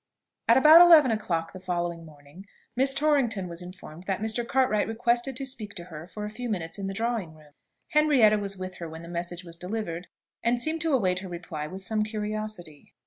At about eleven o'clock the following morning, Miss Torrington was informed that Mr. Cartwright requested to speak to her for a few minutes in the drawing room. Henrietta was with her when the message was delivered, and seemed to await her reply with some curiosity.